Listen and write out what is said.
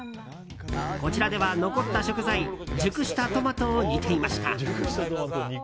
こちらでは残った食材熟したトマトを煮ていました。